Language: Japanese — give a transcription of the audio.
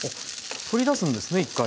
取り出すんですね一回。